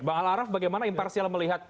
bang al araf bagaimana imparsial melihat